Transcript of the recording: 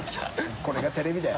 これがテレビだよ。